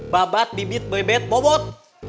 babat bibit bebet bobot